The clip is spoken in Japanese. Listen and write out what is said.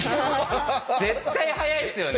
絶対速いっすよね。